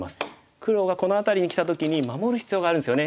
黒がこの辺りにきた時に守る必要があるんですよね。